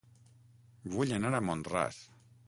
Vull anar a Mont-ras